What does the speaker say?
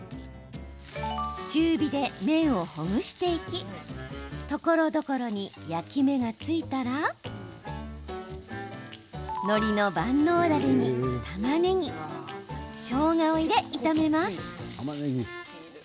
中火で麺をほぐしていきところどころに焼き目がついたらのりの万能ダレにたまねぎしょうがを入れ、炒めます。